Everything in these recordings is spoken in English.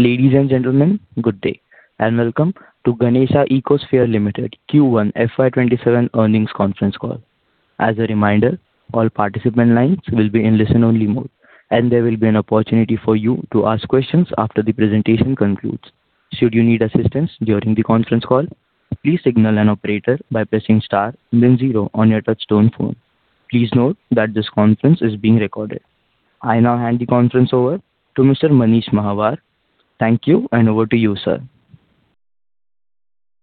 Ladies and gentlemen, good day, welcome to Ganesha Ecosphere Limited Q1 FY 2027 earnings conference call. As a reminder, all participant lines will be in listen only mode, there will be an opportunity for you to ask questions after the presentation concludes. Should you need assistance during the conference call, please signal an operator by pressing star then zero on your touch-tone phone. Please note that this conference is being recorded. I now hand the conference over to Mr. Manish Mahawar. Thank you, over to you, sir.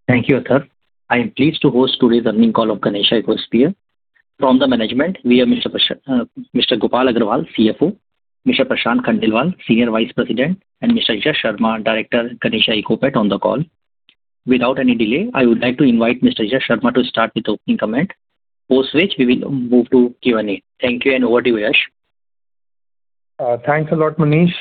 Thank you, Athar. I'm pleased to host today's earning call of Ganesha Ecosphere. From the management, we have Mr. Gopal Agarwal, CFO, Mr. Prashant Khandelwal, Senior Vice President, and Mr. Yash Sharma, Director, Ganesha Ecosphere on the call. Without any delay, I would like to invite Mr. Yash Sharma to start with opening comment, post which we will move to Q and A. Thank you, over to you, Yash. Thanks a lot, Manish,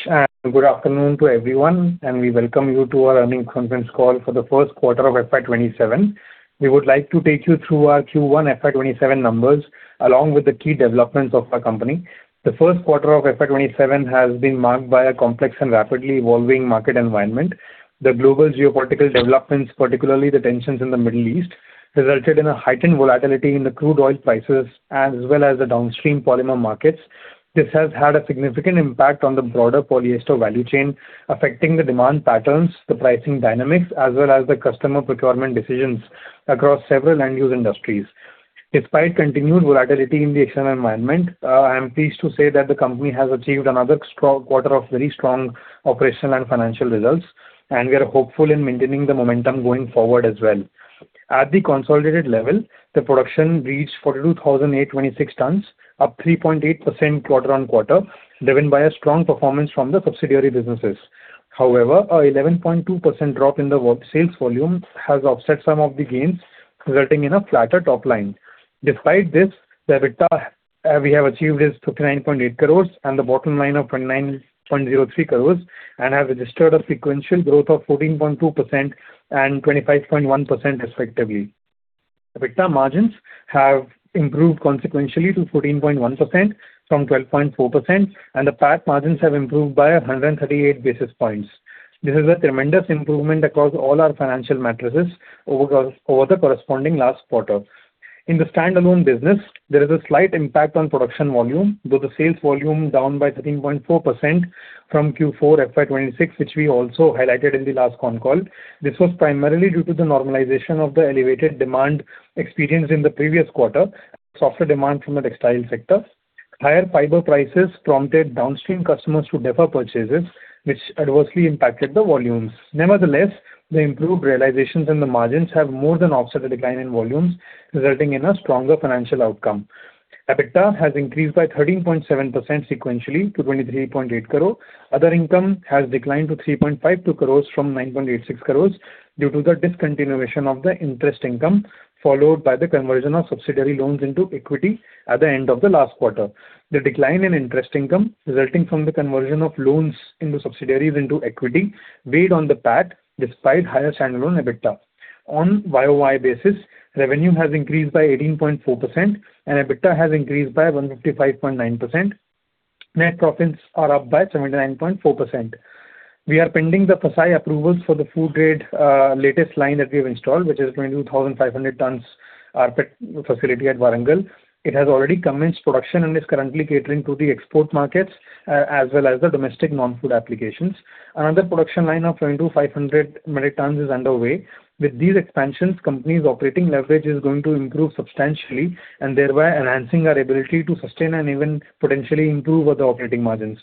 good afternoon to everyone, we welcome you to our earnings conference call for the first quarter of FY 2027. We would like to take you through our Q1 FY 2027 numbers, along with the key developments of our company. The first quarter of FY 2027 has been marked by a complex and rapidly evolving market environment. The global geopolitical developments, particularly the tensions in the Middle East, resulted in a heightened volatility in the crude oil prices as well as the downstream polymer markets. This has had a significant impact on the broader polyester value chain, affecting the demand patterns, the pricing dynamics, as well as the customer procurement decisions across several end-use industries. Despite continued volatility in the external environment, I'm pleased to say that the company has achieved another quarter of very strong operational and financial results, we are hopeful in maintaining the momentum going forward as well. At the consolidated level, the production reached 42,826 tons, up 3.8% quarter-on-quarter, driven by a strong performance from the subsidiary businesses. A 11.2% drop in the sales volume has offset some of the gains, resulting in a flatter top line. Despite this, the EBITDA we have achieved is 29.8 crore and the bottom line of 9.03 crore have registered a sequential growth of 14.2% and 25.1% respectively. EBITDA margins have improved consequentially to 14.1% from 12.4%, PAT margins have improved by 138 basis points. This is a tremendous improvement across all our financial matrices over the corresponding last quarter. In the standalone business, there is a slight impact on production volume, with the sales volume down by 13.4% from Q4 FY 2026, which we also highlighted in the last con call. This was primarily due to the normalization of the elevated demand experienced in the previous quarter, softer demand from the textile sector. Higher fiber prices prompted downstream customers to defer purchases, which adversely impacted the volumes. Nevertheless, the improved realizations and the margins have more than offset the decline in volumes, resulting in a stronger financial outcome. EBITDA has increased by 13.7% sequentially to 23.8 crore. Other income has declined to 3.52 crore from 9.86 crore due to the discontinuation of the interest income, followed by the conversion of subsidiary loans into equity at the end of the last quarter. The decline in interest income resulting from the conversion of loans in the subsidiaries into equity weighed on the PAT despite higher standalone EBITDA. On a year-over-year basis, revenue has increased by 18.4% and EBITDA has increased by 155.9%. Net profits are up by 79.4%. We are pending the FSSAI approvals for the food-grade latest line that we've installed, which is 22,500 tons rPET facility at Warangal. It has already commenced production and is currently catering to the export markets, as well as the domestic non-food applications. Another production line of 22,500 metric tons is underway. With these expansions, company's operating leverage is going to improve substantially and thereby enhancing our ability to sustain and even potentially improve the operating margins.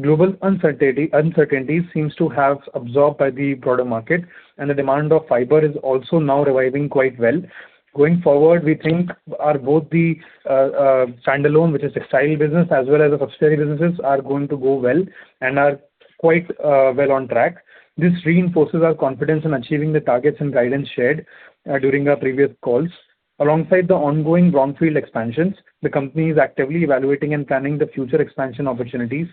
Global uncertainties seems to have absorbed by the broader market, and the demand of fiber is also now reviving quite well. Going forward, we think both the standalone, which is textile business, as well as the subsidiary businesses are going to go well and are quite well on track. This reinforces our confidence in achieving the targets and guidance shared during our previous calls. Alongside the ongoing brownfield expansions, the company is actively evaluating and planning the future expansion opportunities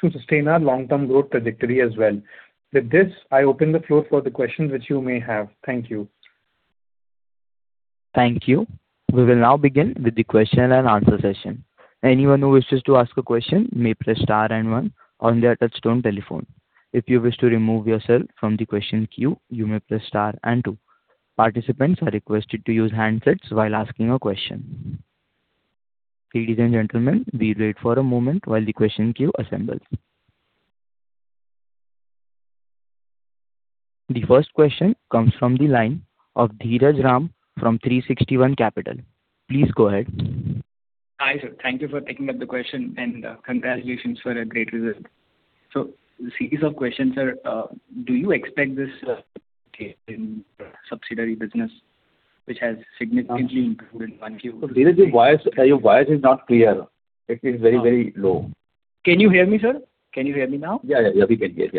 to sustain our long-term growth trajectory as well. With this, I open the floor for the questions which you may have. Thank you. Thank you. We will now begin with the question and answer session. Anyone who wishes to ask a question may press star and one on their touch-tone telephone. If you wish to remove yourself from the question queue, you may press star and two. Participants are requested to use handsets while asking a question. Ladies and gentlemen, we wait for a moment while the question queue assembles. The first question comes from the line of Dheeraj Ram from 360 ONE Capital. Please go ahead. Hi, sir. Thank you for taking up the question, and congratulations for a great result. The series of questions are, do you expect this case in subsidiary business, which has significantly improved in 1Q— Dheeraj, your voice is not clear. It is very low. Can you hear me, sir? Can you hear me now? Yeah. We can hear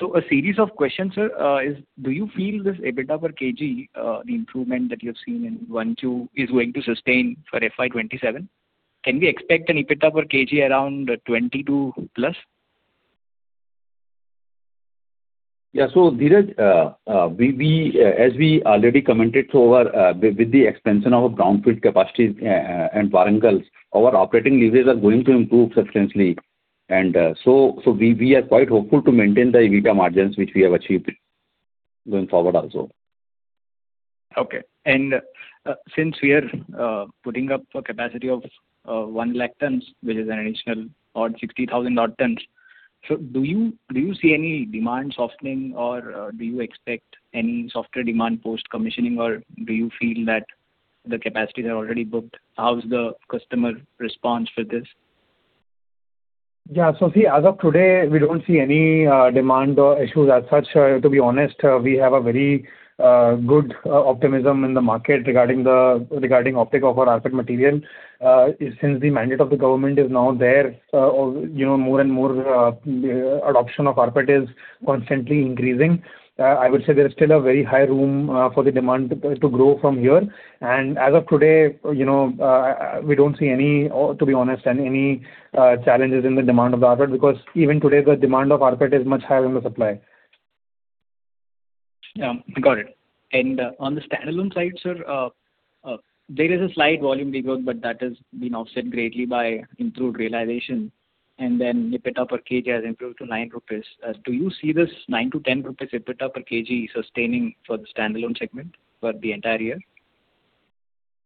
you. A series of questions, sir. Do you feel this EBITDA per kg, the improvement that you have seen in 1Q, is going to sustain for FY 2027? Can we expect an EBITDA per kg around 22+? Dheeraj, as we already commented with the expansion of our brownfield capacity and Warangal, our operating levers are going to improve substantially. We are quite hopeful to maintain the EBITDA margins which we have achieved going forward also. Since we are putting up a capacity of 1 lakh tons, which is an additional odd 60,000 odd tons, do you see any demand softening or do you expect any softer demand post-commissioning or do you feel that the capacities are already booked? How is the customer response for this? As of today, we don't see any demand or issues as such. To be honest, we have a very good optimism in the market regarding optic of our rPET material. Since the mandate of the government is now there, more and more adoption of rPET is constantly increasing. I would say there is still a very high room for the demand to grow from here. as of today, we don't see any, to be honest, any challenges in the demand of the rPET because even today the demand of rPET is much higher than the supply. Yeah. Got it. On the standalone side, sir, there is a slight volume decline but that has been offset greatly by improved realization and then EBITDA per kg has improved to 9 rupees. Do you see this 9-10 rupees EBITDA per kg sustaining for the standalone segment for the entire year?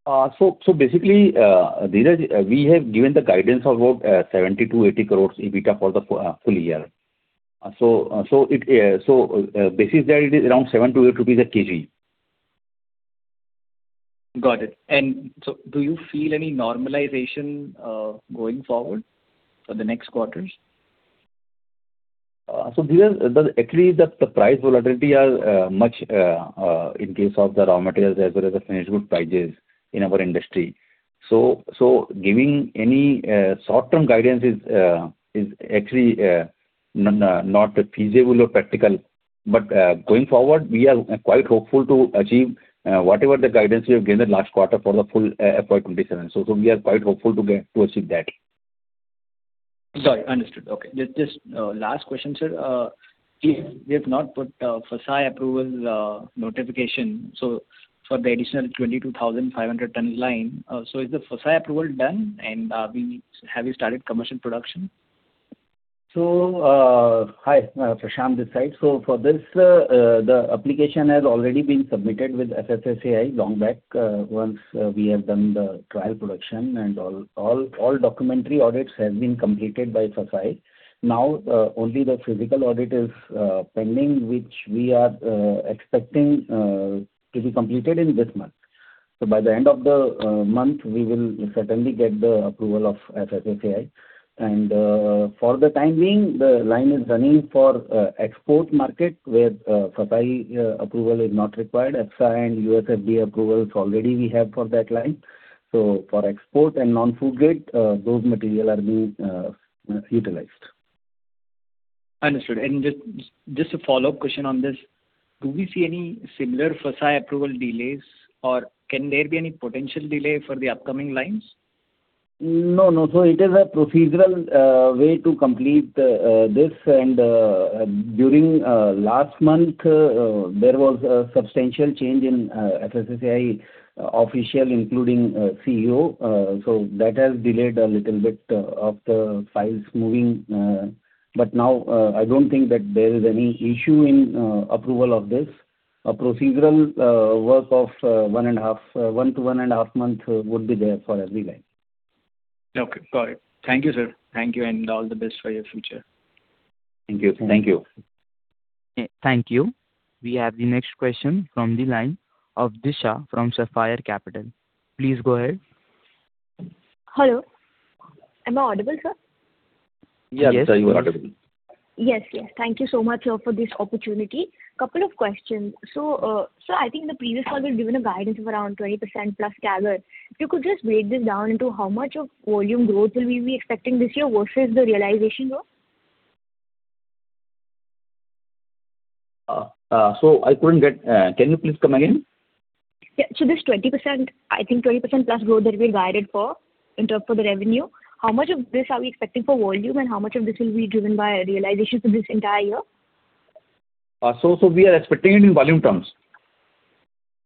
Basically, Dheeraj, we have given the guidance of about 70 crore-80 crore EBITDA for the full-year. Basis there it is around 7-8 rupees per kg. Got it. Do you feel any normalization going forward for the next quarters? Dheeraj, actually the price volatility are much in case of the raw materials as well as the finished goods prices in our industry. Giving any short-term guidance is actually not feasible or practical. Going forward, we are quite hopeful to achieve whatever the guidance we have given last quarter for the full FY 2027. We are quite hopeful to achieve that. Got it. Understood. Okay. Just last question, sir. You have not put FSSAI approval notification for the additional 22,500 ton line. Is the FSSAI approval done and have you started commercial production? Hi. Prashant this side. For this, the application has already been submitted with FSSAI long back once we have done the trial production and all documentary audits have been completed by FSSAI. Now only the physical audit is pending which we are expecting to be completed in this month. By the end of the month we will certainly get the approval of FSSAI. For the time being the line is running for export market where FSSAI approval is not required. FSSAI and USFDA approvals already we have for that line. For export and non-food grade, those material are being utilized. Understood. Just a follow-up question on this. Do we see any similar FSSAI approval delays or can there be any potential delay for the upcoming lines? No. It is a procedural way to complete this and during last month there was a substantial change in FSSAI official including CEO. That has delayed a little bit of the files moving. Now I don't think that there is any issue in approval of this. A procedural work of one to one and a half months would be there for every line. Okay, got it. Thank you, sir. Thank you and all the best for your future. Thank you. Thank you. Thank you. We have the next question from the line of Disha from Sapphire Capital. Please go ahead. Hello. Am I audible, sir? Yes, you are audible. Yes. Thank you so much, sir for this opportunity. Couple of questions. Sir, I think in the previous call you had given a guidance of around 20%+ CAGR. If you could just break this down into how much of volume growth will we be expecting this year versus the realization growth? I couldn't get. Can you please come again? Yeah. This I think 20%+ growth that we've guided for in terms of the revenue, how much of this are we expecting for volume and how much of this will be driven by realization for this entire year? We are expecting it in volume terms.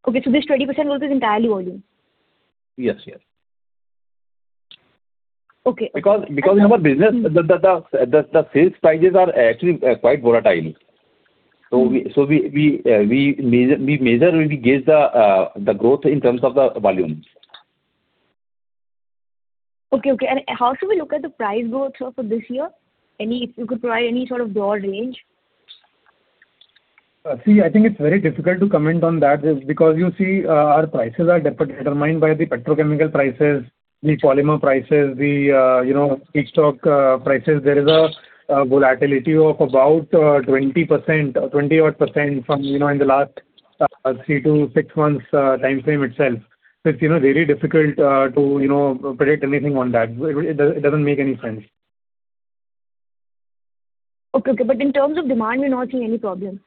Okay. This 20% growth is entirely volume? Yes. Okay. Because in our business the sales prices are actually quite volatile. We measure when we gauge the growth in terms of the volume. Okay. How should we look at the price growth, sir, for this year? If you could provide any sort of broad range. See, I think it's very difficult to comment on that because you see our prices are determined by the petrochemical prices, the polymer prices, the feedstock prices. There is a volatility of about 20% from in the last three to six months time frame itself. It's really difficult to predict anything on that. It doesn't make any sense. Okay. In terms of demand we're not seeing any problem.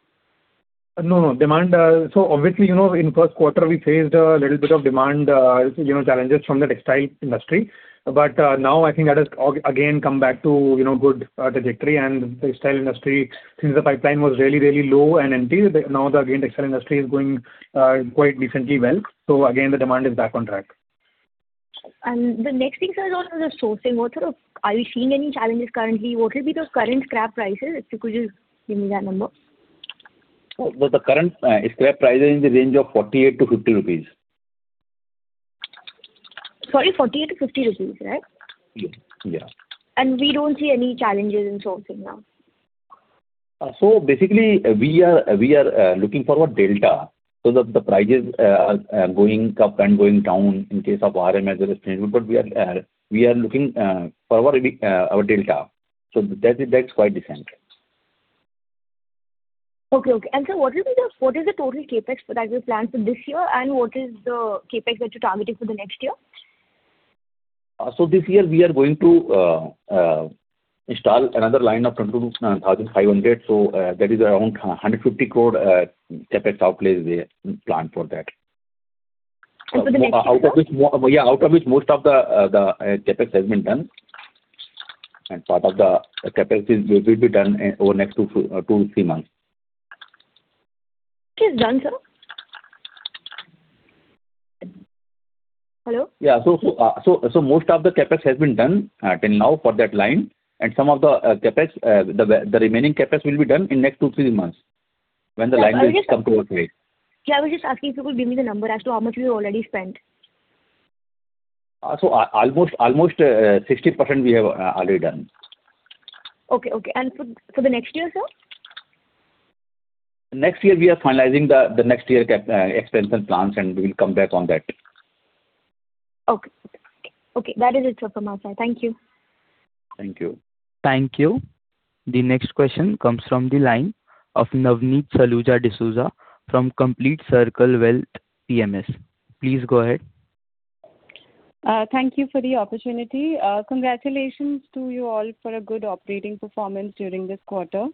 No, demand. Obviously, in first quarter we faced a little bit of demand challenges from the textile industry. Now I think that has again come back to good trajectory and textile industry, since the pipeline was really low and empty, now again the textile industry is going quite decently well. Again, the demand is back on track. The next thing, sir, is on the sourcing. Are you seeing any challenges currently? What will be those current scrap prices, if you could just give me that number? The current scrap price is in the range of 48-50 rupees. Sorry, 48-50 rupees, right? Yeah. We don't see any challenges in sourcing now? Basically, we are looking for our delta. The prices are going up and going down in case of RM as well as finished goods, but we are looking for our delta. That's quite decent. Okay. Sir, what is the total CapEx that you planned for this year and what is the CapEx that you're targeting for the next year? This year we are going to install another line of 22,500. That is around 150 crore CapEx outlays we have planned for that. For the next year? Yeah, out of which most of the CapEx has been done, and part of the CapEx will be done over next two to three months. Which is done, sir? Hello? Yeah. Most of the CapEx has been done till now for that line. Some of the remaining CapEx will be done in next two, three months, when the line will come to operate. Yeah, I was just asking if you could give me the number as to how much you've already spent. Almost 60% we have already done. Okay. For the next year, sir? Next year, we are finalizing the next year CapEx expense and plans, we will come back on that. Okay. That is it from my side. Thank you. Thank you. Thank you. The next question comes from the line of Navneet Saluja D'Souza from Complete Circle Wealth PMS. Please go ahead. Thank you for the opportunity. Congratulations to you all for a good operating performance during this quarter.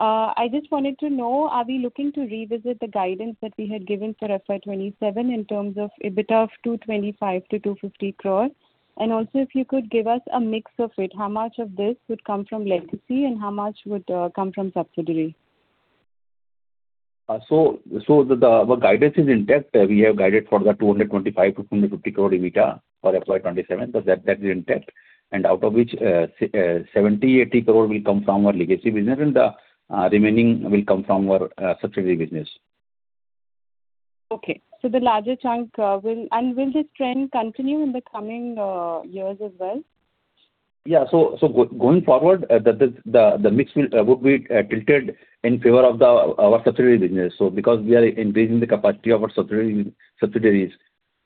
I just wanted to know, are we looking to revisit the guidance that we had given for FY 2027 in terms of EBITDA of 225 crore-250 crore? Also if you could give us a mix of it, how much of this would come from legacy and how much would come from subsidiary? Our guidance is intact. We have guided for the 225 crore-250 crore EBITDA for FY 2027. That is intact, out of which 70 crore-80 crore will come from our legacy business and the remaining will come from our subsidiary business. Okay. Will this trend continue in the coming years as well? Yeah, going forward, the mix would be tilted in favor of our subsidiary business. Because we are increasing the capacity of our subsidiaries,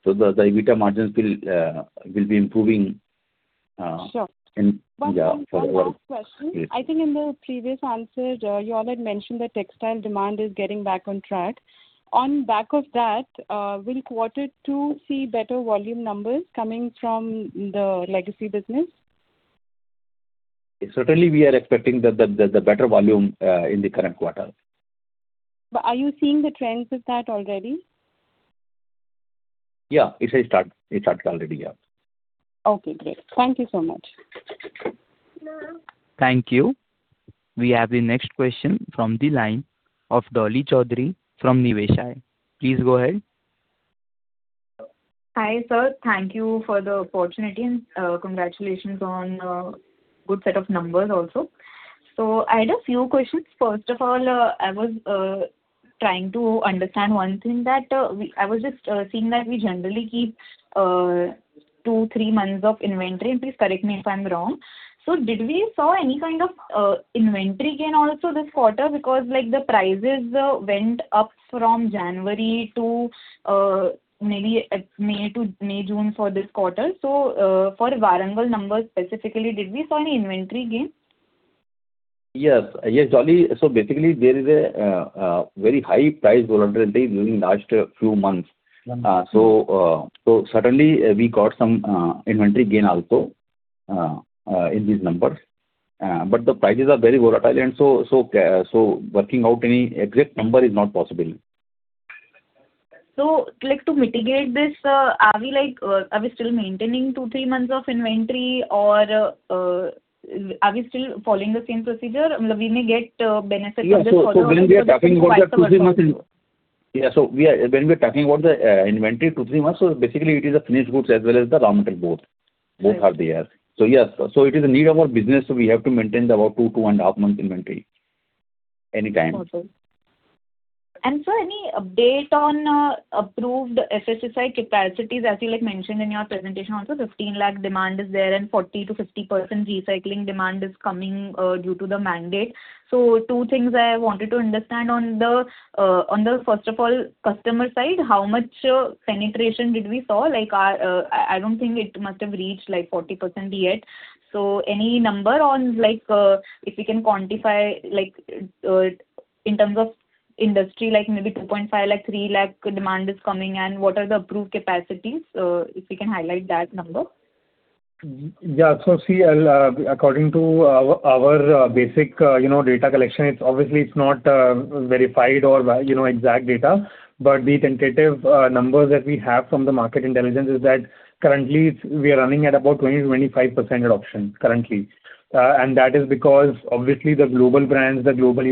the EBITDA margins will be improving. Sure. Yeah. One last question. Yes. I think in the previous answer, you all had mentioned that textile demand is getting back on track. On back of that, will quarter two see better volume numbers coming from the legacy business? Certainly, we are expecting the better volume in the current quarter. Are you seeing the trends of that already? Yeah. It has started already, yeah. Okay, great. Thank you so much. Thank you. We have the next question from the line of Dolly Choudhary from Niveshaay. Please go ahead. Hi, sir. Thank you for the opportunity and congratulations on a good set of numbers also. I had a few questions. First of all, I was trying to understand one thing that I was just seeing that we generally keep two, three months of inventory, please correct me if I'm wrong. Did we saw any kind of inventory gain also this quarter? Because the prices went up from January to maybe May, June for this quarter. For Warangal numbers specifically, did we saw any inventory gain? Yes, Dolly. Basically, there is a very high price volatility during last few months. Certainly, we got some inventory gain also in these numbers. The prices are very volatile, and so working out any exact number is not possible. To mitigate this, are we still maintaining two, three months of inventory, or are we still following the same procedure? We may get benefit prices. When we are talking about the two, three months, when we're talking about the inventory, two, three months, basically it is a finished goods as well as the raw material, both. Right. Both are there. Yes. It is a need of our business, we have to maintain about two and a half months inventory anytime. Okay. Sir, any update on approved FSSAI capacities? As you mentioned in your presentation also, 15 lakh demand is there, and 40%-50% recycling demand is coming due to the mandate. Two things I wanted to understand on the, first of all, customer side, how much penetration did we saw? I don't think it must have reached 40% yet. Any number on if we can quantify in terms of industry, like maybe 2.5 lakh, 3 lakh demand is coming, and what are the approved capacities? If we can highlight that number. Yeah. According to our basic data collection, obviously it's not verified or exact data, but the tentative numbers that we have from the market intelligence is that currently we are running at about 20%-25% adoption. That is because obviously the global brands, the global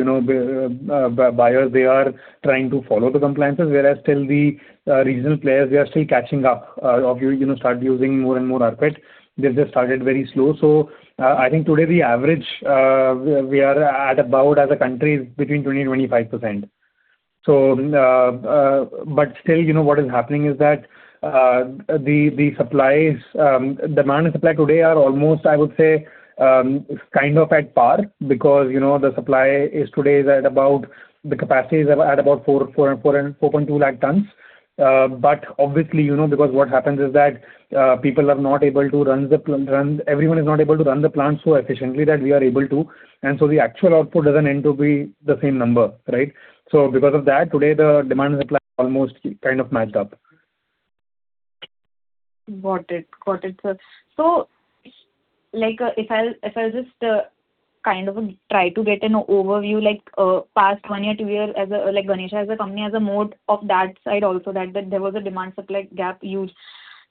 buyers, they are trying to follow the compliances, whereas the regional players, they are still catching up of start using more and more rPET. They've just started very slow. I think today we average, we are at about, as a country, between 20% and 25%. Still, what is happening is that the demand and supply today are almost, I would say, kind of at par because the supply today is at about, the capacity is at about 4.2 lakh tons. Obviously, because what happens is that everyone is not able to run the plant so efficiently that we are able to, the actual output doesn't end to be the same number. Right? Because of that, today the demand and supply almost kind of matched up. Got it, sir. If I just kind of try to get an overview like past one year, two years, Ganesha as a company, as a mode of that side also that there was a demand-supply gap huge.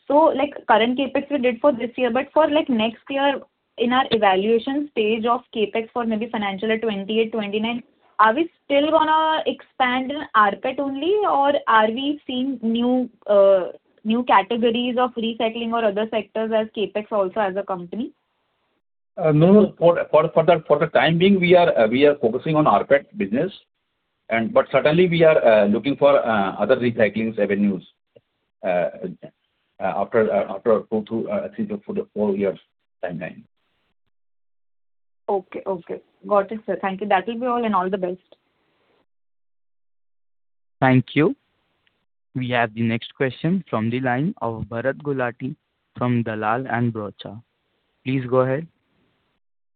Current CapEx we did for this year, but for next year in our evaluation stage of CapEx for maybe FY 2028, FY 2029, are we still going to expand in rPET only or are we seeing new categories of recycling or other sectors as CapEx also as a company? No. For the time being, we are focusing on rPET business. Certainly we are looking for other recycling revenues after go through for the four-year timeline. Okay. Got it, sir. Thank you. That will be all and all the best. Thank you. We have the next question from the line of Bharat Gulati from Dalal & Broacha. Please go ahead.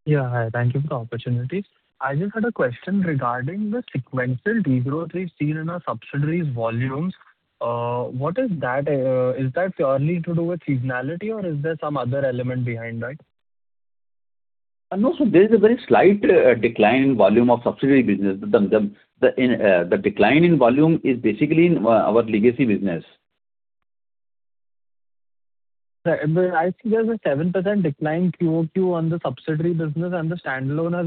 Yeah. Hi, thank you for the opportunity. I just had a question regarding the sequential degrowth we've seen in our subsidiaries volumes. Is that purely to do with seasonality or is there some other element behind that? No. There is a very slight decline in volume of subsidiary business. The decline in volume is basically in our legacy business. I see there's a 7% decline quarter-over-quarter on the subsidiary business and the standalone has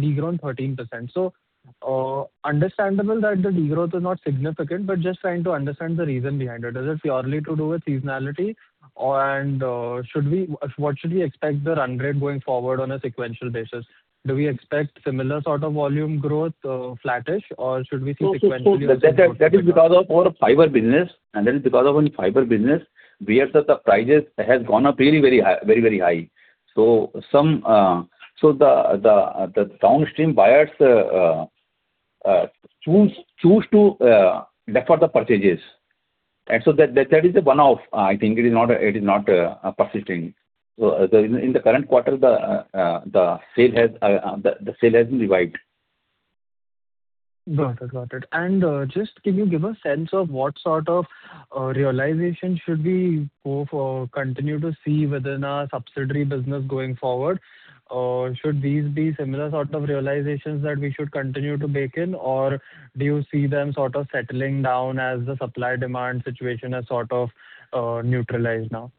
degrown 13%. Understandable that the degrowth is not significant, but just trying to understand the reason behind it. Is it purely to do with seasonality and what should we expect the run rate going forward on a sequential basis? Do we expect similar sort of volume growth, flattish, or should we see? That is because of our fiber business, and in fiber business, we have the prices has gone up very, very high. The downstream buyers choose to defer the purchases. That is a one-off. I think it is not persisting. In the current quarter, the sale hasn't revived. Got it. Just, can you give a sense of what sort of realization should we hope or continue to see within our subsidiary business going forward? Or should these be similar sort of realizations that we should continue to bake in? Or do you see them sort of settling down as the supply-demand situation has sort of neutralized now?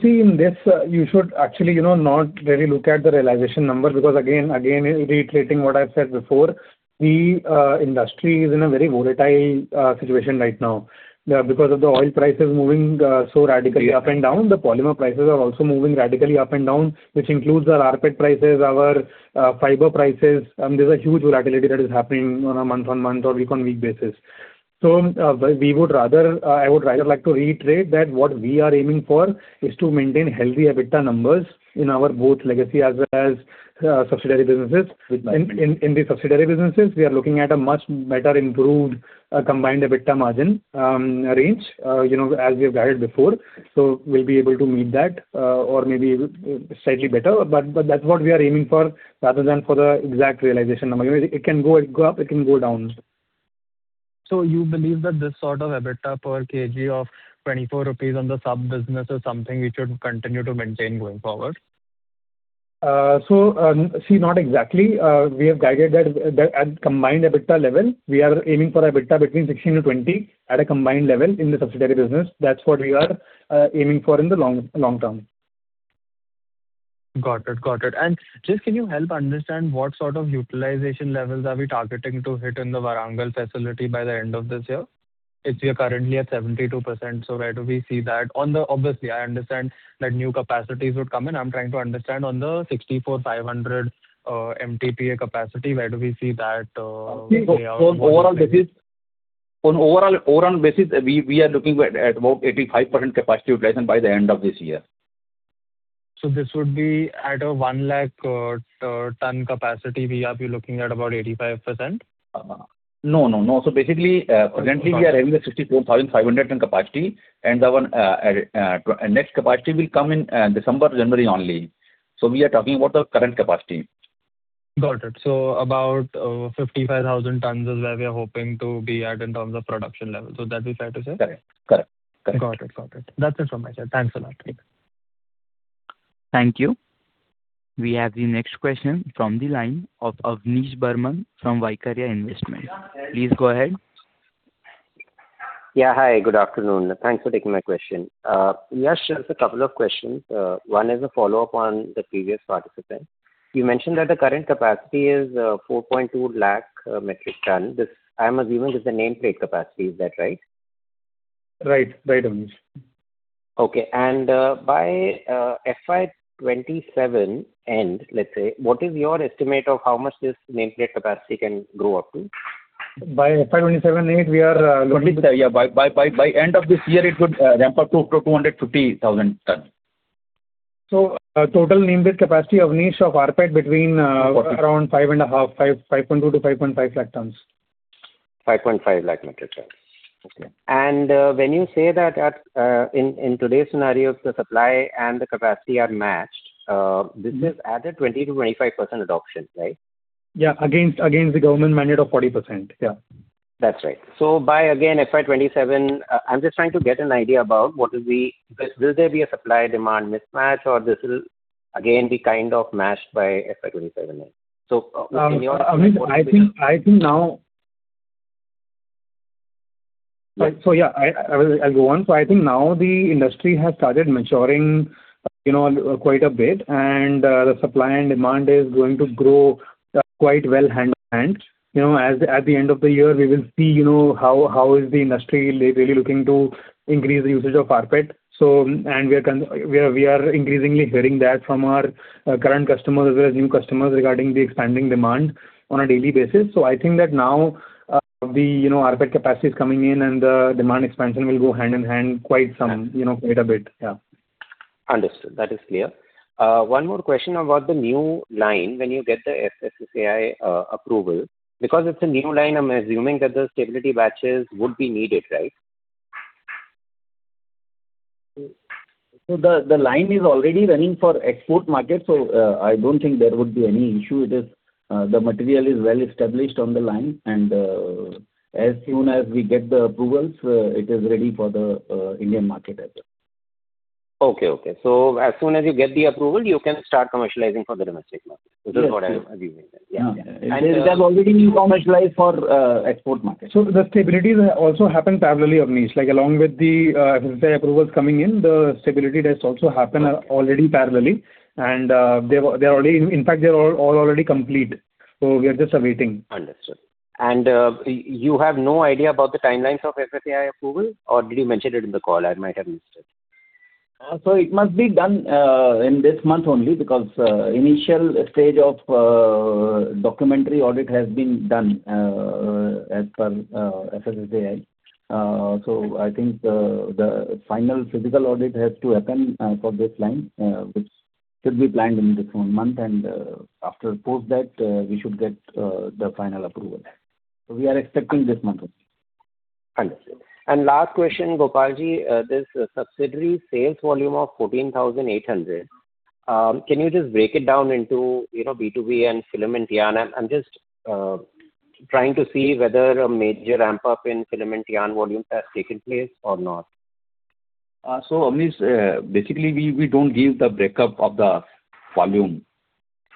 See in this, you should actually not really look at the realization number because again, reiterating what I've said before, the industry is in a very volatile situation right now because of the oil prices moving so radically up and down, the polymer prices are also moving radically up and down, which includes our rPET prices, our fiber prices. There's a huge volatility that is happening on a month-on-month or week-on-week basis. I would rather like to reiterate that what we are aiming for is to maintain healthy EBITDA numbers in our both legacy as well as subsidiary businesses. In the subsidiary businesses, we are looking at a much better improved combined EBITDA margin range, as we have guided before. We'll be able to meet that or maybe slightly better, but that's what we are aiming for rather than for the exact realization number. It can go up, it can go down. You believe that this sort of EBITDA per kg of 24 rupees on the sub-business is something we should continue to maintain going forward? Not exactly. We have guided that at combined EBITDA level, we are aiming for EBITDA between 16 and 20 at a combined level in the subsidiary business. That's what we are aiming for in the long term. Got it. Just, can you help understand what sort of utilization levels are we targeting to hit in the Warangal facility by the end of this year? If we are currently at 72%, where do we see that on the? Obviously, I understand that new capacities would come in. I'm trying to understand on the 64,500 MTPA capacity, where do we see that. On overall basis, we are looking at about 85% capacity utilization by the end of this year. This would be at a 100,000-ton capacity, we are looking at about 85%? No. Basically, currently we are having a 64,500 metric ton capacity and our next capacity will come in December, January only. We are talking about the current capacity. Got it. About 55,000 tons is where we are hoping to be at in terms of production level. That's safe to say? Correct. Got it. That's it from my side. Thanks a lot. Thank you. We have the next question from the line of Avnish Burman from Vaikarya Investment. Please go ahead. Yeah. Hi, good afternoon. Thanks for taking my question. Yes, just a couple of questions. One is a follow-up on the previous participant. You mentioned that the current capacity is 4.2 lakh metric ton. I'm assuming this is the nameplate capacity, is that right? Right, Avnish. Okay. By FY 2027 end, let's say, what is your estimate of how much this nameplate capacity can grow up to? By FY 2027 end, we are looking. By end of this year, it would ramp up to 250,000 tons. Total nameplate capacity, Avnish, of rPET between around 5.2 lakh-5.5 lakh tons. 5.5 lakh metric tons. Okay. When you say that in today's scenario, the supply and the capacity are matched, this is at a 20%-25% adoption, right? Yeah. Against the government mandate of 40%. Yeah. That's right. By, again, FY 2027, I'm just trying to get an idea about will there be a supply-demand mismatch or this will again be kind of matched by FY 2027 end? Avnish, I think now the industry has started maturing quite a bit, the supply and demand is going to grow quite well hand in hand. At the end of the year, we will see how is the industry really looking to increase the usage of rPET. We are increasingly hearing that from our current customers as well as new customers regarding the expanding demand on a daily basis. I think that now the rPET capacity is coming in and the demand expansion will go hand in hand quite a bit. Yeah. Understood. That is clear. One more question about the new line when you get the FSSAI approval, because it's a new line, I'm assuming that the stability batches would be needed, right? The line is already running for export market, so I don't think there would be any issue. The material is well established on the line, as soon as we get the approvals, it is ready for the Indian market as well. Okay. As soon as you get the approval, you can start commercializing for the domestic market. This is what I'm assuming. Yes. Yeah. It has already been commercialized for export market. The stability also happened parallelly, Avnish, like along with the FSSAI approvals coming in, the stability tests also happen already parallelly. In fact, they are all already complete. We are just awaiting. Understood. You have no idea about the timelines of FSSAI approval or did you mention it in the call? I might have missed it. It must be done in this month only because initial stage of documentary audit has been done as per FSSAI. I think the final physical audit has to happen for this line, which should be planned in this month and post that, we should get the final approval. We are expecting this month only. Understood. Last question, Gopalji, this subsidiary sales volume of 14,800, can you just break it down into rPET and filament yarn? I am just trying to see whether a major ramp-up in filament yarn volumes has taken place or not. Avnish, basically, we don't give the breakup of the volume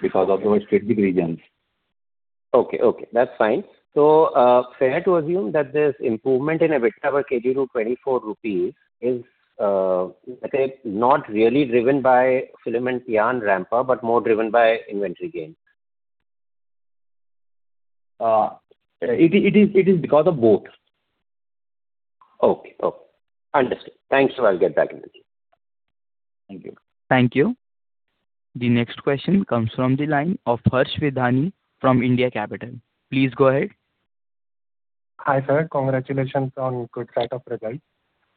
because of the strategic reasons. Okay. That's fine. Fair to assume that this improvement in EBITDA of 24 rupees is, let's say, not really driven by filament yarn ramp-up, but more driven by inventory gains? It is because of both. Okay. Understood. Thanks. I'll get back into the queue. Thank you. Thank you. The next question comes from the line of Harsh Vidhani from India Capital. Please go ahead. Hi, sir. Congratulations on good set of results.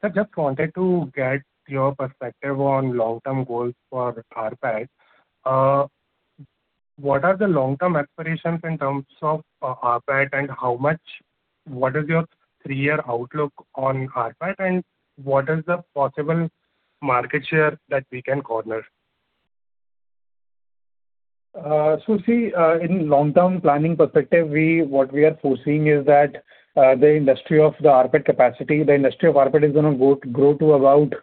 Sir, just wanted to get your perspective on long-term goals for rPET. What are the long-term aspirations in terms of rPET, and what is your three-year outlook on rPET, and what is the possible market share that we can corner? See, in long-term planning perspective, what we are foreseeing is that the industry of the rPET capacity is going to grow to about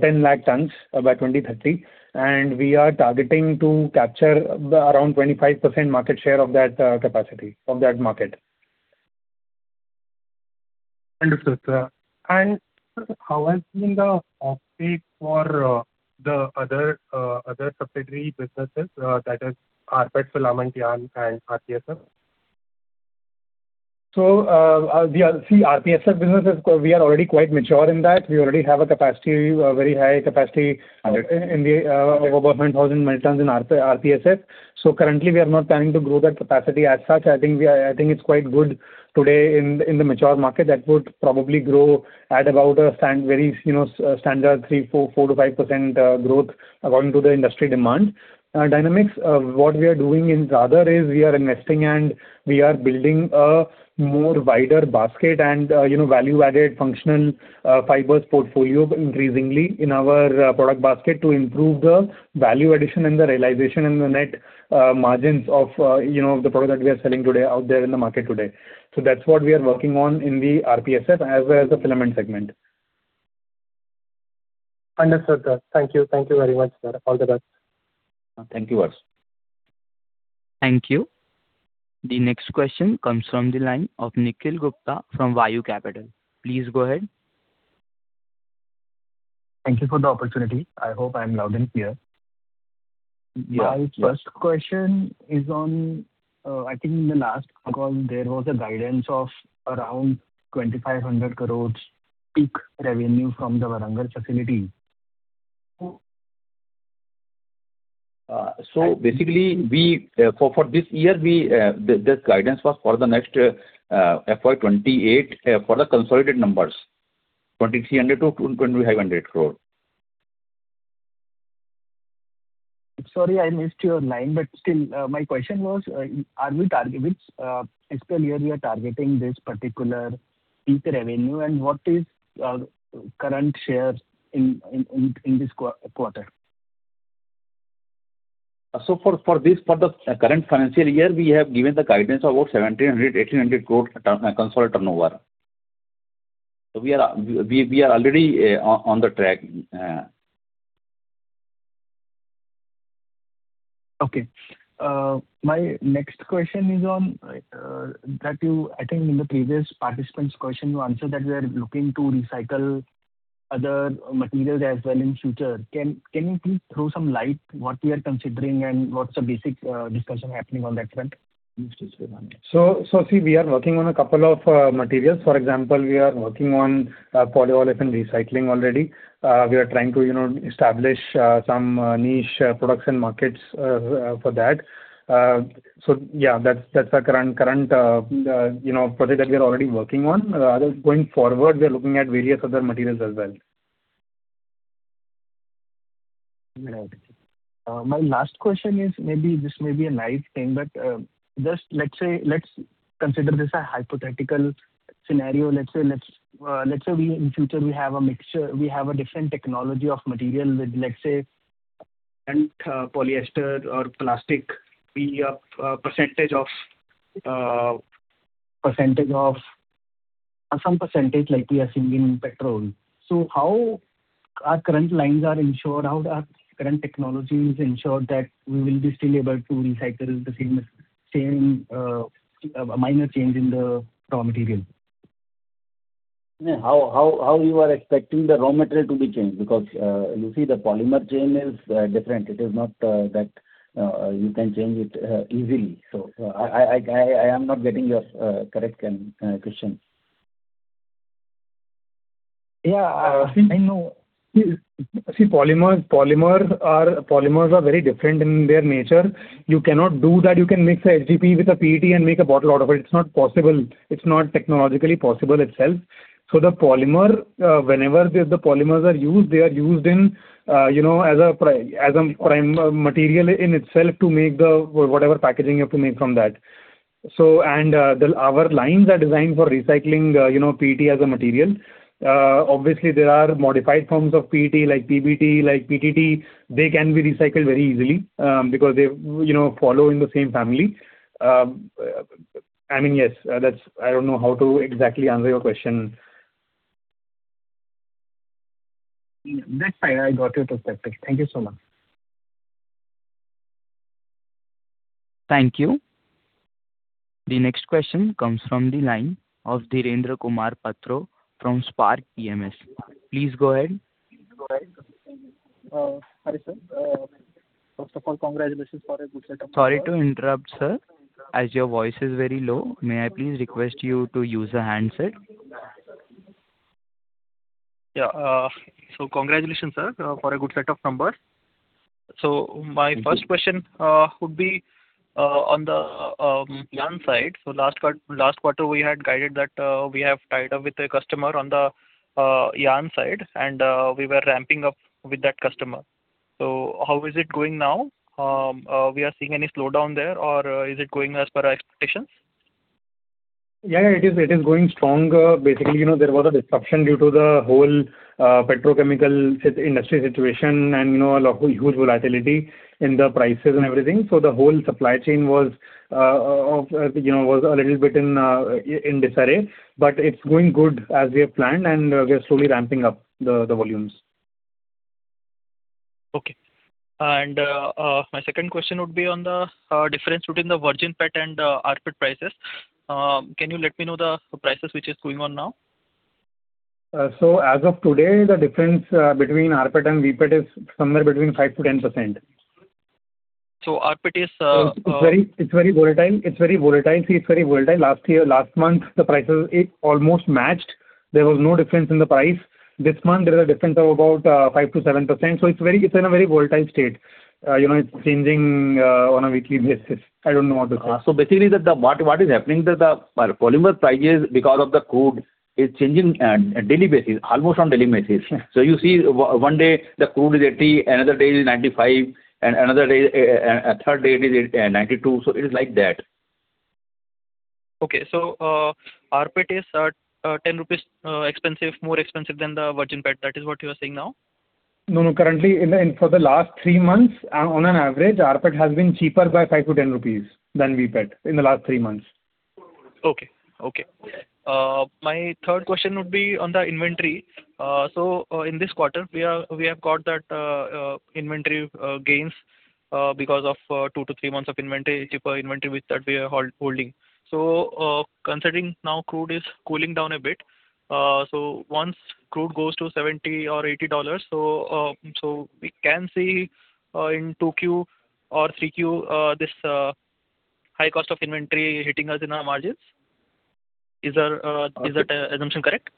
10 lakh tons by 2030, we are targeting to capture around 25% market share of that capacity from that market. Understood, sir. sir, how has been the uptake for the other subsidiary businesses, that is, rPET filament yarn and RPSF? See, RPSF business, we are already quite mature in that. We already have a very high capacity of about 1,000 metric tons in RPSF. currently, we are not planning to grow that capacity as such. I think it's quite good today in the mature market. That would probably grow at about a very standard 4%-5% growth according to the industry demand dynamics. What we are doing in the other is we are investing and we are building a more wider basket and value-added functional fibers portfolio increasingly in our product basket to improve the value addition and the realization and the net margins of the product that we are selling today out there in the market today. That's what we are working on in the RPSF as well as the filament segment. Understood, sir. Thank you very much, sir. All the best. Thank you, Harsh. Thank you. The next question comes from the line of Nikhil Gupta from Vayu Capital. Please go ahead. Thank you for the opportunity. I hope I'm loud and clear. Yeah. My first question is on, I think in the last call, there was a guidance of around 2,500 crore peak revenue from the Warangal facility. Basically, this guidance was for the next FY 2028 for the consolidated numbers, INR 2,300 crore-INR 2,500 crore. Sorry, I missed your line. Still, my question was, this fiscal year we are targeting this particular peak revenue, and what is our current share in this quarter? For the current financial year, we have given the guidance of about 1,700 crore, 1,800 crore consolidated turnover. We are already on the track. Okay. My next question is on that you, I think, in the previous participant's question, you answered that we are looking to recycle other materials as well in future. Can you please throw some light what we are considering and what's the basic discussion happening on that front? See, we are working on a couple of materials. For example, we are working on polyolefin recycling already. We are trying to establish some niche products and markets for that. Yeah, that's our current project that we are already working on. Going forward, we are looking at various other materials as well. Right. My last question is, this may be a live thing, but let's consider this a hypothetical scenario. Let's say in future we have a different technology of material with, let's say, polyester or plastic. We have some percentage like we are seeing in petrol. How our current lines are ensured, how our current technology is ensured that we will be still able to recycle the same, a minor change in the raw material. How you are expecting the raw material to be changed, because you see the polymer chain is different. It is not that you can change it easily. I am not getting your correct question. Yeah. I know. See, polymers are very different in their nature. You cannot do that. You can mix a HDPE with a PET and make a bottle out of it. It's not possible. It's not technologically possible itself. The polymer, whenever the polymers are used, they are used as a prime material in itself to make whatever packaging you have to make from that. Our lines are designed for recycling PET as a material. Obviously, there are modified forms of PET, like PBT, like PTT. They can be recycled very easily because they follow in the same family. I don't know how to exactly answer your question. That's fine. I got your perspective. Thank you so much. Thank you. The next question comes from the line of Dhirendra Kumar Patro from Spark PMS. Please go ahead. Hi, sir. First of all, congratulations for a good set of— Sorry to interrupt, sir. As your voice is very low, may I please request you to use a handset? Yeah. Congratulations, sir, for a good set of numbers. My first question would be on the yarn side. Last quarter, we had guided that we have tied up with a customer on the yarn side, and we were ramping up with that customer. How is it going now? Are we seeing any slowdown there, or is it going as per our expectations? Yeah, it is going strong. Basically, there was a disruption due to the whole petrochemical industry situation and a huge volatility in the prices and everything. The whole supply chain was a little bit in disarray. It's going good as we have planned, and we are slowly ramping up the volumes. Okay. My second question would be on the difference between the virgin PET and rPET prices. Can you let me know the prices which is going on now? As of today, the difference between rPET and VPET is somewhere between 5%-10%. rPET is— It's very volatile. Last month, the prices almost matched. There was no difference in the price. This month, there is a difference of about 5%-7%. It's in a very volatile state. It's changing on a weekly basis. I don't know what to say. Basically, what is happening, the polymer prices, because of the crude, is changing almost on daily basis. You see one day the crude is 80, another day is 95, and a third day it is 92. It is like that. Okay. rPET is 10 rupees more expensive than the virgin PET. That is what you are saying now? No. Currently, for the last three months, on an average, rPET has been cheaper by 5-10 rupees than VPET, in the last three months. Okay. My third question would be on the inventory. In this quarter, we have got that inventory gains because of two to three months of inventory, cheaper inventory which we are holding. Considering now crude is cooling down a bit, once crude goes to $70 or $80, we can see in Q2 or Q3, this high cost of inventory hitting us in our margins. Is that assumption correct?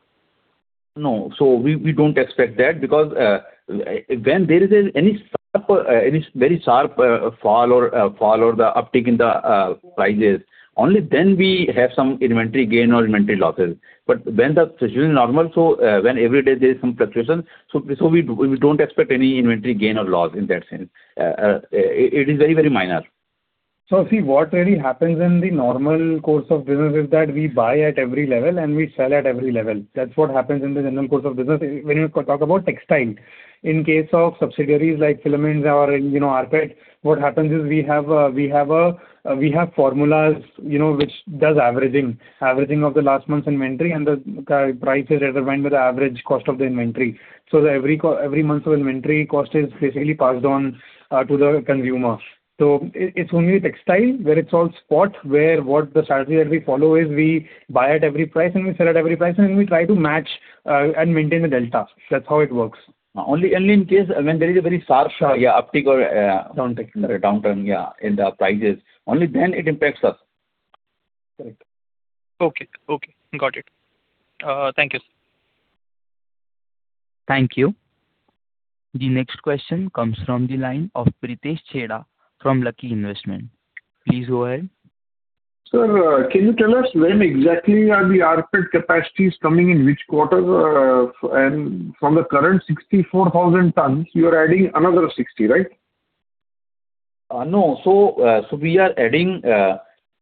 No. We don't expect that because when there is any very sharp fall or the uptick in the prices, only then we have some inventory gain or inventory losses. When the situation is normal, when every day there is some fluctuation, we don't expect any inventory gain or loss in that sense. It is very minor. See, what really happens in the normal course of business is that we buy at every level and we sell at every level. That's what happens in the normal course of business when you talk about textile. In case of subsidiaries like filaments or rPET, what happens is we have formulas which does averaging. Averaging of the last month's inventory and the prices are determined by the average cost of the inventory. Every month of inventory cost is basically passed on to the consumer. It's only textile where it's all spot, where what the strategy that we follow is we buy at every price and we sell at every price and we try to match and maintain the delta. That's how it works. Only in case when there is a very sharp— Sharp. —Uptick or— Downtick. —downtick in the prices, only then it impacts us. Correct. Okay. Got it. Thank you. Thank you. The next question comes from the line of Pritesh Chheda from Lucky Investment. Please go ahead. Sir, can you tell us when exactly are the rPET capacities coming, in which quarter? From the current 64,000 tons, you are adding another 60,000, right? No. We are adding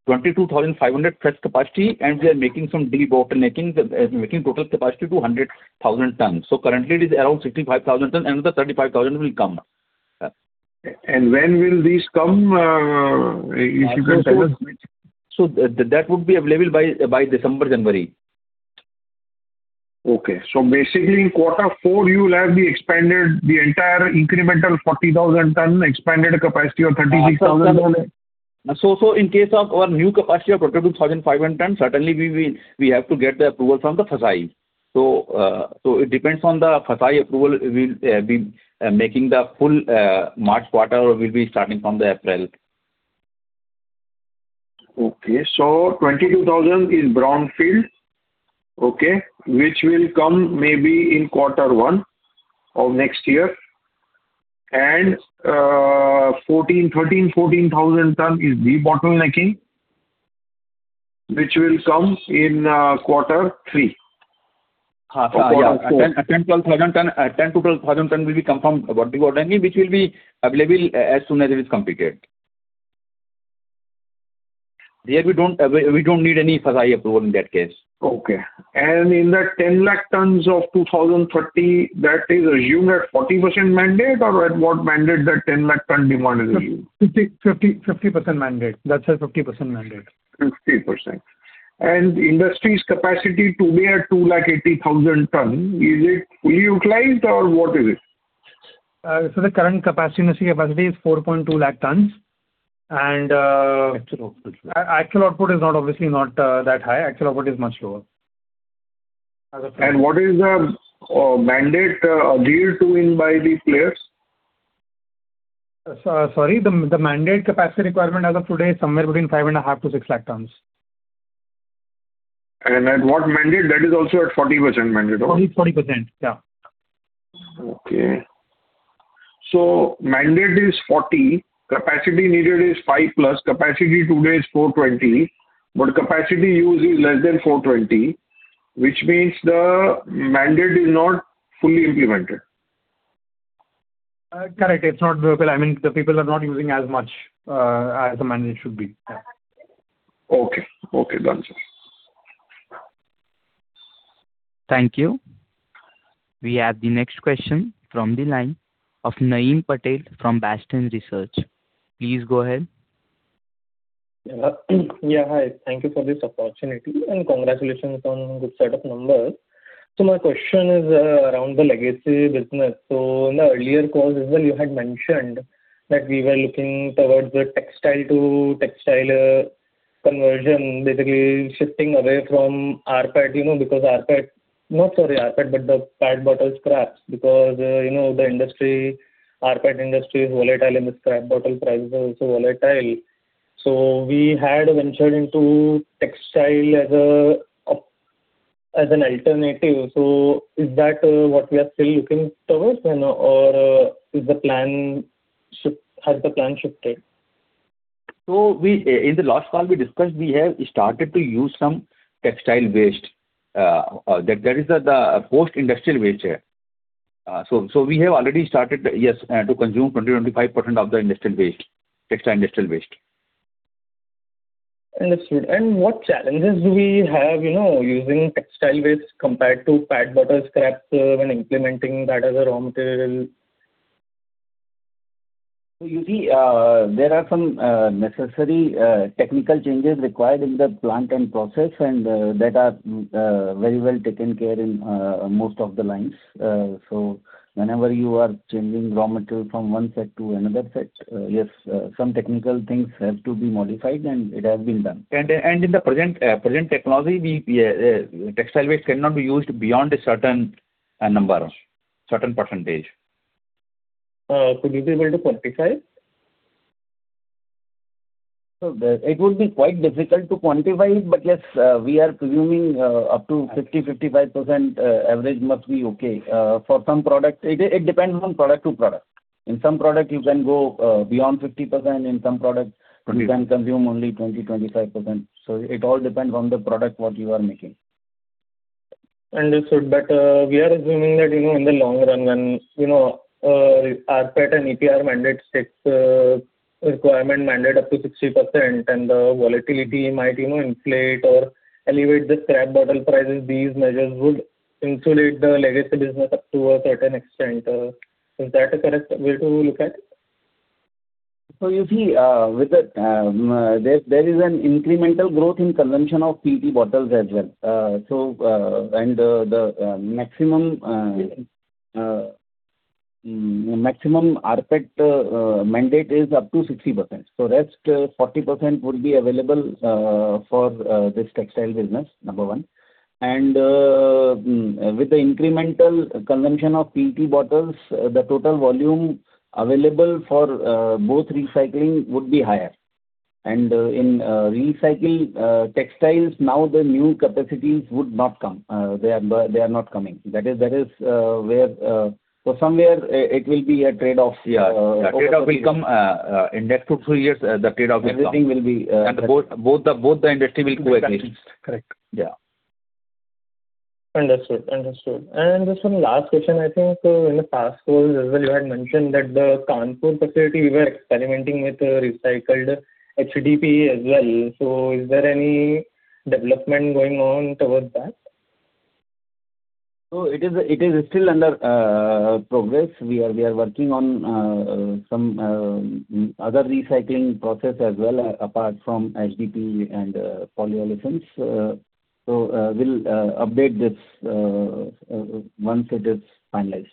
22,500 fresh capacity and we are making some debottlenecking, making total capacity to 100,000 tons. Currently it is around 65,000 ton, another 35,000 will come. When will these come, if you can tell us? That would be available by December, January. Basically in quarter four you will have the entire incremental 40,000 ton, expanded capacity of 36,000 ton. In case of our new capacity of 22,500 ton, certainly we have to get the approval from the FSSAI. It depends on the FSSAI approval, we'll be making the full March quarter or we'll be starting from the April. 22,000 is brownfield, which will come maybe in quarter one of next year, and 13,000, 14,000 ton is debottlenecking, which will come in quarter three. Yes. Quarter four. 10,000-12,000 ton will be coming from debottlenecking, which will be available as soon as it is completed. Here we don't need any FSSAI approval in that case. Okay. In that 10 lakh tons of 2030, that is assumed at 40% mandate, or at what mandate that 10 lakh ton demand is assumed? 50% mandate. That's a 50% mandate. 50%. Industry's capacity today at 280,000 tons, is it fully utilized or what is it? Sir, the current capacity is 420,000 tons. Actual output Actual output is obviously not that high. Actual output is much lower. What is the mandate agreed to by the players? Sorry, the mandate capacity requirement as of today is somewhere between 550,000 tons-600,000 tons. At what mandate? That is also at 40% mandate? 40%, yes. Okay. Mandate is 40%, capacity needed is 500,000+, capacity today is 420,000 capacity used is less than 420,000, which means the mandate is not fully implemented. Correct. The people are not using as much as the mandate should be. Okay. Done, sir. Thank you. We have the next question from the line of Naeem Patel from Bastion Research. Please go ahead. Hi. Thank you for this opportunity, and congratulations on good set of numbers. My question is around the legacy business. In the earlier calls as well, you had mentioned that we were looking towards the textile to textile conversion, basically shifting away from rPET, because the rPET industry is volatile and the scrap bottle prices are also volatile. We had ventured into textile as an alternative. Is that what we are still looking towards or has the plan shifted? In the last call we discussed we have started to use some textile waste. There is the post-industrial waste there. We have already started to consume 20%-25% of the textile industrial waste. Understood. What challenges do we have using textile waste compared to PET bottle scraps when implementing that as a raw material? You see, there are some necessary technical changes required in the plant and process, and that are very well taken care in most of the lines. Whenever you are changing raw material from one set to another set, yes, some technical things have to be modified, and it has been done. In the present technology, textile waste cannot be used beyond a certain number, certain percentage. Would you be able to quantify? It will be quite difficult to quantify, but yes, we are presuming up to 50%-55% average must be okay. For some products, it depends from product to product. In some product, you can go beyond 50%. In some product, you can consume only 20%-25%. It all depends on the product, what you are making. Understood. We are assuming that, in the long run, when rPET and EPR mandate takes requirement mandate up to 60%, and the volatility might inflate or elevate the scrap bottle prices, these measures would insulate the legacy business up to a certain extent. Is that a correct way to look at it? You see, there is an incremental growth in consumption of PET bottles as well. The maximum rPET mandate is up to 60%. Rest 40% would be available for this textile business, number one. With the incremental consumption of PET bottles, the total volume available for both recycling would be higher. In recycle textiles now, the new capacities would not come. They are not coming. Somewhere it will be a trade-off. Trade-off will come in next two, three years, the trade-off will come. Both the industry will co-exist. Correct. Yeah. Understood. Just one last question, I think. In the past calls as well, you had mentioned that the Kanpur facility, you were experimenting with recycled HDPE as well. Is there any development going on towards that? It is still under progress. We are working on some other recycling process as well, apart from HDPE and polyolefins. We'll update this once it is finalized.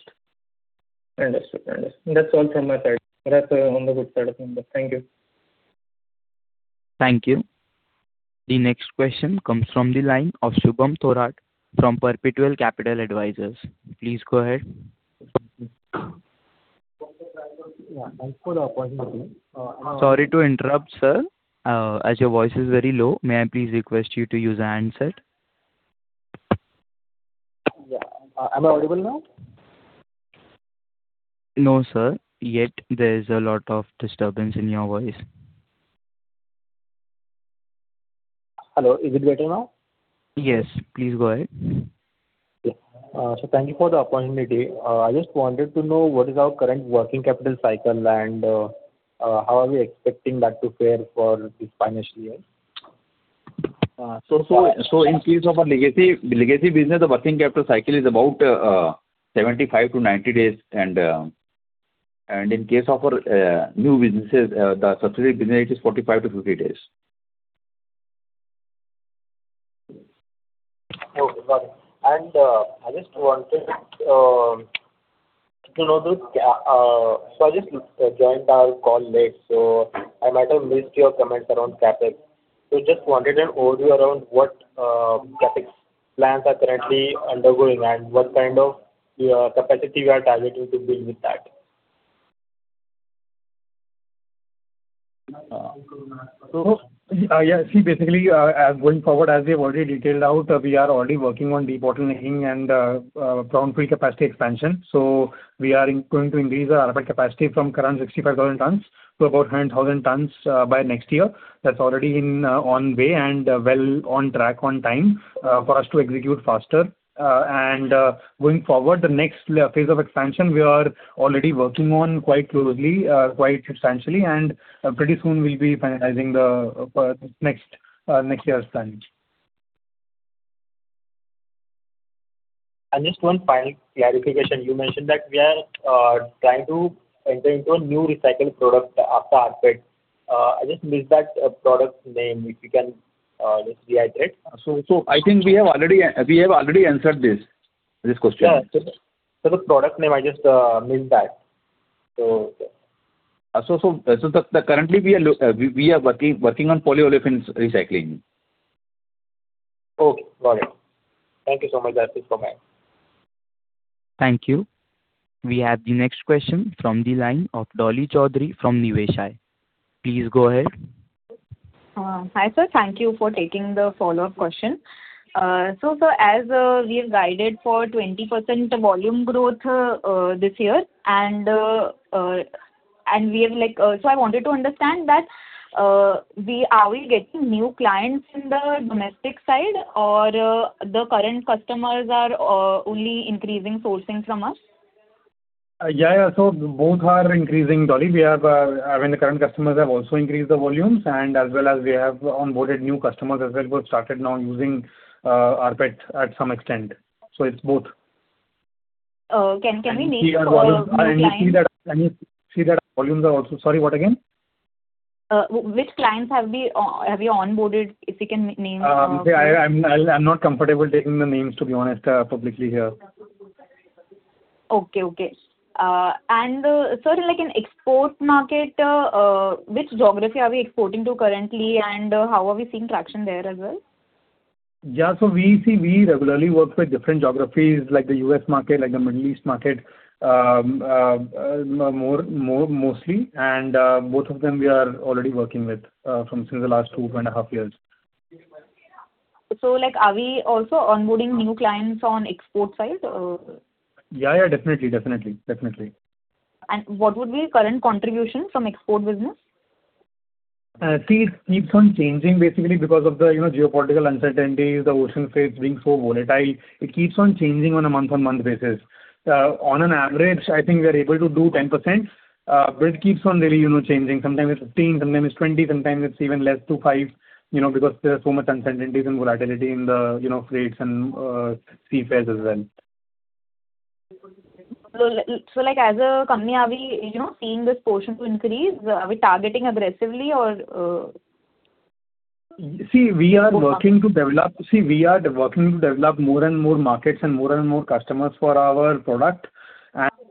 Understood. That's all from my side. Rest on the good side of things. Thank you. Thank you. The next question comes from the line of Shubham Thorat from Perpetual Capital Advisors. Please go ahead. Thanks for the opportunity. Sorry to interrupt, sir. As your voice is very low, may I please request you to use a handset? Yeah. Am I audible now? No, sir. Yet there is a lot of disturbance in your voice. Hello. Is it better now? Yes, please go ahead. Thank you for the opportunity. I just wanted to know what is our current working capital cycle, and how are we expecting that to fare for this financial year? In case of our legacy business, the working capital cycle is about 75-90 days. In case of our new businesses, the subsidiary business, it is 45-50 days. Okay, got it. I just wanted to know. I just joined our call late, so I might have missed your comments around CapEx. Just wanted an overview around what CapEx plans are currently undergoing and what kind of capacity we are targeting to build with that. Yeah. Basically, going forward, as we have already detailed out, we are already working on debottlenecking and brownfield capacity expansion. We are going to increase our rPET capacity from current 65,000 tons to about 100,000 tons by next year. That's already on way and well on track, on time for us to execute faster. Going forward, the next phase of expansion, we are already working on quite closely, quite substantially, and pretty soon we'll be finalizing the next year's plan. Just one final clarification. You mentioned that we are trying to enter into a new recycled product after rPET. I just missed that product name, if you can just reiterate. I think we have already answered this question. Yeah. The product name, I just missed that. Okay. Currently, we are working on polyolefins recycling. Okay, got it. Thank you so much. That is it from my end. Thank you. We have the next question from the line of Dolly Choudhary from Niveshaay. Please go ahead. Hi, sir. Thank you for taking the follow-up question. Sir, as we have guided for 20% volume growth this year, and so I wanted to understand that are we getting new clients in the domestic side or the current customers are only increasing sourcing from us? Yeah. Both are increasing, Dolly. I mean, the current customers have also increased the volumes, and as well as we have onboarded new customers as well, who have started now using rPET at some extent. It's both. Can we name new clients? Sorry, what again? Which clients have you onboarded, if you can name a few? I'm not comfortable taking the names, to be honest, publicly here. Okay. Sir, like in export market, which geography are we exporting to currently and how are we seeing traction there as well? Yeah. We regularly work with different geographies like the U.S. market, like the Middle East market, mostly, and both of them we are already working with since the last two and a half years. Are we also onboarding new clients on export side? Yeah, definitely. What would be current contribution from export business? It keeps on changing basically because of the geopolitical uncertainties, the ocean freight being so volatile. It keeps on changing on a month-on-month basis. On an average, I think we are able to do 10%, but it keeps on really changing. Sometimes it's 15%, sometimes it's 20%, sometimes it's even less to 5%, because there are so much uncertainties and volatility in the freights and sea fares as well. As a company, are we seeing this portion to increase? Are we targeting aggressively or— See, we are working to develop more and more markets and more and more customers for our product.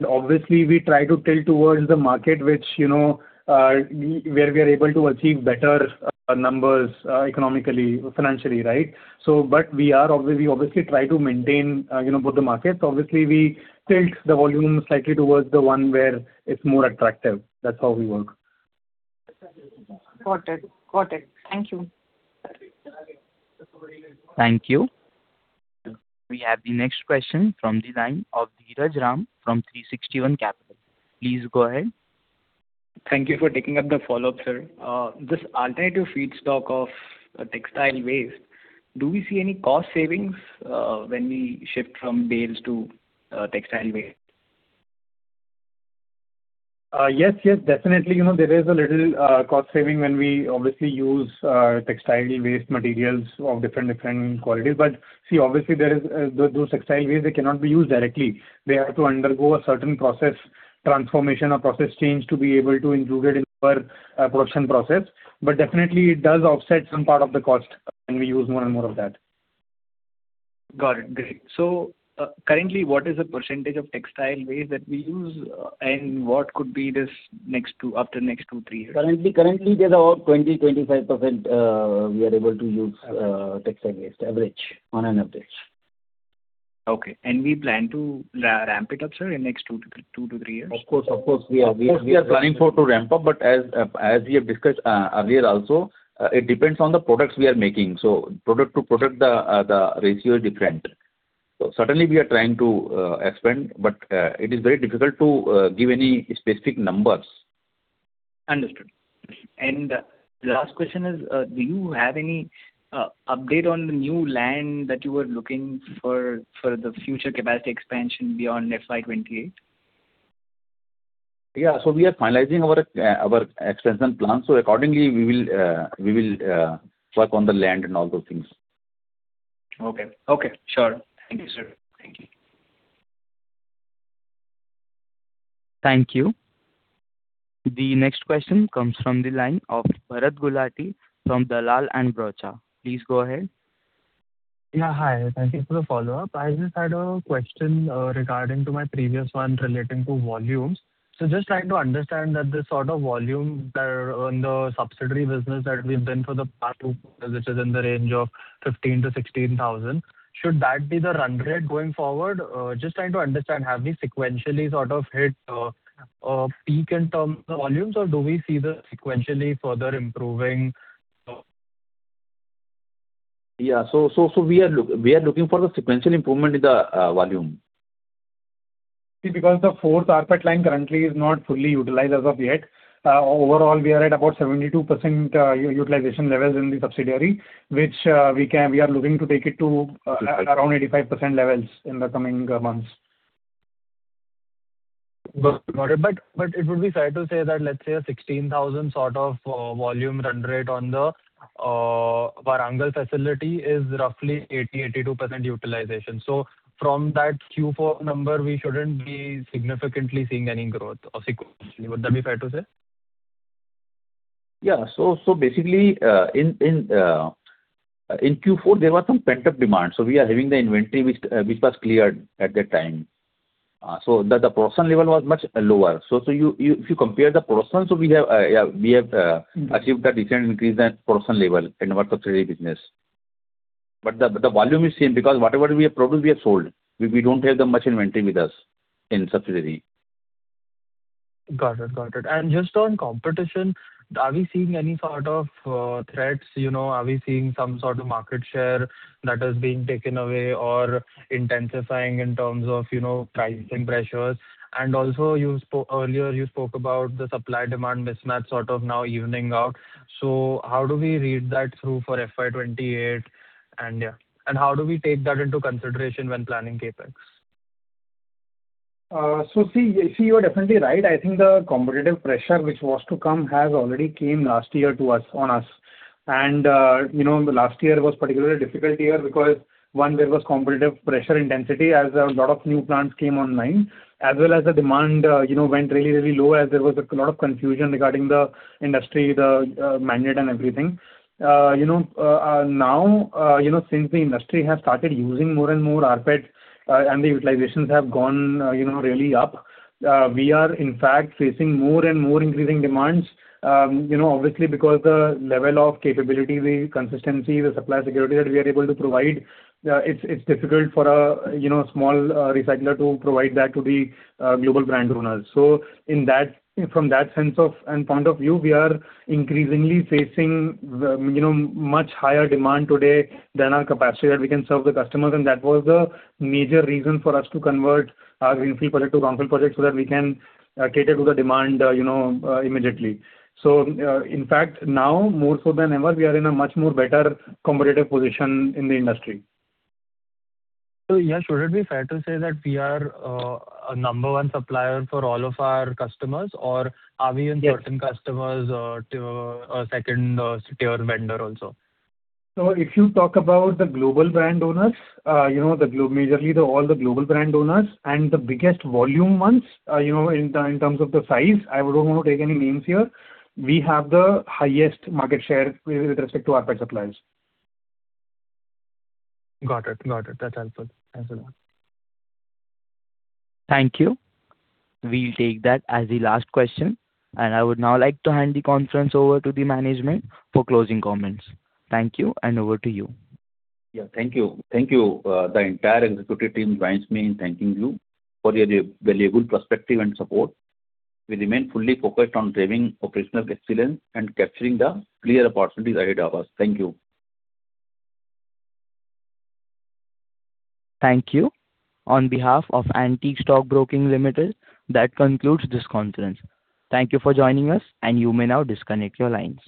Obviously we try to tilt towards the market where we are able to achieve better numbers economically, financially. We obviously try to maintain both the markets. Obviously, we tilt the volume slightly towards the one where it's more attractive. That's how we work. Got it. Thank you. Thank you. We have the next question from the line of Dheeraj Ram from 360 ONE Capital. Please go ahead. Thank you for taking up the follow-up, sir. This alternative feedstock of textile waste, do we see any cost savings when we shift from bales to textile waste? Yes, definitely, there is a little cost saving when we obviously use textile waste materials of different qualities. See, obviously those textile waste, they cannot be used directly. They have to undergo a certain process transformation or process change to be able to include it in our production process. Definitely it does offset some part of the cost when we use more and more of that. Got it. Great. Currently, what is the percentage of textile waste that we use and what could be this after next two, three years? Currently there's about 20%, 25% we are able to use textile waste, average, on an update. Okay. We plan to ramp it up, sir, in next two to three years? Of course we are planning for to ramp up, as we have discussed earlier also, it depends on the products we are making. Product to product, the ratio is different. Certainly, we are trying to expand, but it is very difficult to give any specific numbers. Understood. The last question is, do you have any update on the new land that you were looking for the future capacity expansion beyond FY 2028? Yeah. We are finalizing our expansion plan. Accordingly, we will work on the land and all those things. Okay. Sure. Thank you, sir. Thank you. Thank you. The next question comes from the line of Bharat Gulati from Dalal & Broacha. Please go ahead. Yeah, hi. Thank you for the follow-up. I just had a question regarding to my previous one relating to volumes. Just trying to understand that the sort of volume that on the subsidiary business that we've been for the past, which is in the range of 15,000-16,000. Should that be the run rate going forward? Just trying to understand, have we sequentially sort of hit a peak in terms of volumes or do we see this sequentially further improving? Yeah. We are looking for the sequential improvement in the volume because the fourth carpet line currently is not fully utilized as of yet. Overall, we are at about 72% utilization levels in the subsidiary, which we are looking to take it to around 85% levels in the coming months. Got it. It would be fair to say that, let's say a 16,000 sort of volume run rate on the Warangal facility is roughly 80%-82% utilization. From that Q4 number, we shouldn't be significantly seeing any growth or sequentially. Would that be fair to say? Yeah. Basically, in Q4 there was some pent-up demand. We are having the inventory which was cleared at that time. The proportion level was much lower. If you compare the proportion, we have achieved a decent increase in proportion level in our subsidiary business. The volume is same because whatever we have produced, we have sold. We don't have that much inventory with us in subsidiary. Got it. Just on competition, are we seeing any sort of threats? Are we seeing some sort of market share that is being taken away or intensifying in terms of pricing pressures? Also earlier you spoke about the supply-demand mismatch sort of now evening out. How do we read that through for FY 2028, and how do we take that into consideration when planning CapEx? See, you are definitely right. I think the competitive pressure, which was to come, has already come last year on us. The last year was particularly a difficult year because, one, there was competitive pressure intensity as a lot of new plants came online, as well as the demand went really low as there was a lot of confusion regarding the industry, the magnet and everything. Since the industry has started using more and more rPET and the utilizations have gone really up, we are in fact facing more and more increasing demands. Obviously, because the level of capability, the consistency, the supply security that we are able to provide, it's difficult for a small recycler to provide that to the global brand owners. From that sense of and point of view, we are increasingly facing much higher demand today than our capacity that we can serve the customers, and that was the major reason for us to convert our greenfield project to brownfield project so that we can cater to the demand immediately. In fact, now more so than ever, we are in a much more better competitive position in the industry. Yash, should it be fair to say that we are a number one supplier for all of our customers? Or are we in certain customers a second tier vendor also? If you talk about the global brand owners, majorly all the global brand owners and the biggest volume ones, in terms of the size, I don't want to take any names here, we have the highest market share with respect to rPET suppliers. Got it. That's helpful. Thanks a lot. Thank you. We'll take that as the last question. I would now like to hand the conference over to the management for closing comments. Thank you, and over to you. Yeah. Thank you. The entire executive team joins me in thanking you for your valuable perspective and support. We remain fully focused on driving operational excellence and capturing the clear opportunities ahead of us. Thank you. Thank you. On behalf of Antique Stock Broking Limited, that concludes this conference. Thank you for joining us, and you may now disconnect your lines.